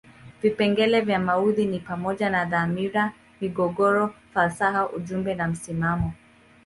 Vipengele vya maudhui ni pamoja na dhamira, migogoro, falsafa ujumbe na msimamo.